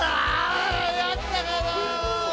やったがな！